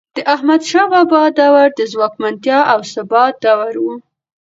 د احمدشاه بابا دور د ځواکمنتیا او ثبات دور و.